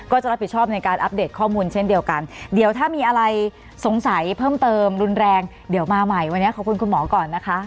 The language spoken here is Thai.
ก็จะรับผิดชอบในการอัปเดตข้อมูลเช่นเดียวกันเดี๋ยวถ้ามีอะไรสงสัยเพิ่มเติมรุนแรงเดี๋ยวมาใหม่วันนี้ขอบคุณคุณหมอก่อนนะคะ